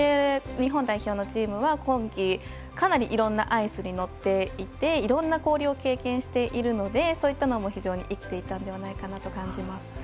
日本代表のチームは今季、かなりいろんなアイスに乗っていていろんな氷を経験しているのでそういったことも非常に生きていたと感じます。